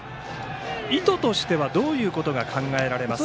意図としては、どんなことが考えられますか？